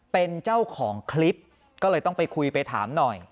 เป็นเจ้าของคลิปก็เลยต้องไปคุยไปถามหน่อย